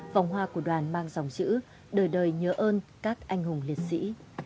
vòng hoa của đoàn mang dòng chữ đời đời nhớ ơn các anh hùng liệt sĩ